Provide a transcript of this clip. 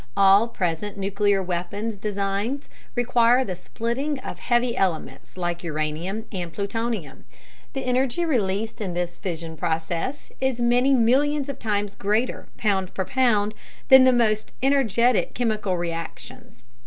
All present nuclear weapon designs require the splitting of heavy elements like uranium and plutonium. The energy released in this fission process is many millions of times greater, pound for pound, than the most energetic chemical reactions.